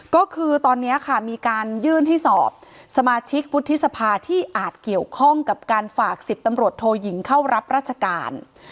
ก็คือตอนนี้ค่ะมีการยื่นให้สอบสมาชิกวุฒิสภาที่อาจเกี่ยวข้องกับการฝาก๑๐ตำรวจโทยิงเข้ารับราชการ